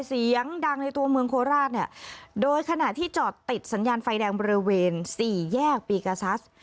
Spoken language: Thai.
เสียงดังในตัวเมืองโคราชเนี่ยโดยขณะที่จอดติดสัญญาณไฟแดงบริเวณสี่แยกปีกาซัส